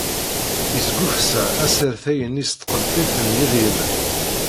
Yesgufsa asertay-nni s tqebbiṭ n yedrimen.